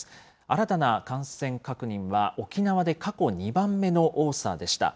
新たな感染確認は、沖縄で過去２番目の多さでした。